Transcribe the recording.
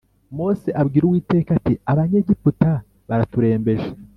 Mose abwira Uwiteka ati Abanyegiputa baraturembeje